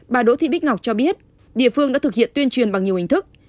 bà đỗ thị bích ngọc cho biết địa phương đã thực hiện tuyên truyền bằng nhiều hình thức